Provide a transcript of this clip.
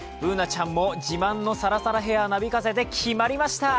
Ｂｏｏｎａちゃんも自慢のサラサラヘアをなびかせて決まりました。